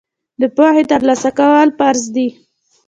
د پوهې ترلاسه کول فرض دي.